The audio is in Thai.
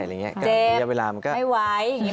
เจ็บไม่ไหวอย่างนี้ไหม